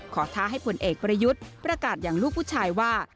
ท้าให้ผลเอกประยุทธ์ประกาศอย่างลูกผู้ชายว่า